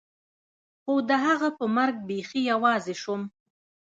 خو د هغه په مرګ بيخي يوازې سوم.